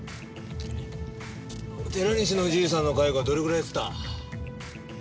寺西のじいさんの介護はどれぐらいやってた？